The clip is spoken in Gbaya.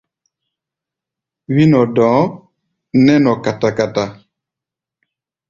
Wí-nɔ-dɔ̧ɔ̧ nɛ́ nɔ kata-kata.